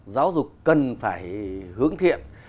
giáo dục cần phải hướng thiện